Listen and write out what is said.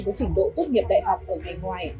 với trình độ tốt nghiệp đại học ở ngày ngoài